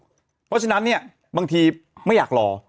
เพราะฉะนั้นเนี่ยบางทีไม่อยากรอ